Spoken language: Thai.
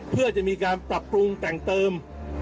เพื่อจะมีการปรับปรุงแต่งเติม